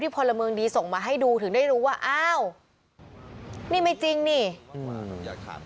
พลเมืองดีส่งมาให้ดูถึงได้รู้ว่าอ้าวนี่ไม่จริงนี่อืมอยากถาม